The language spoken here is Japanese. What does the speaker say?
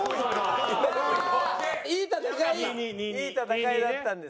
いい戦いいい戦いだったんです。